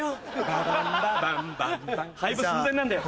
ババンババンバンバン廃部寸前なんだよ。